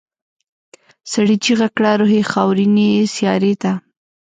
سړي چيغه کړه روح یې خاورینې سیارې ته.